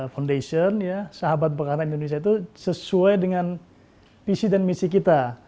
foundation sahabat bekanan indonesia itu sesuai dengan visi dan misi kita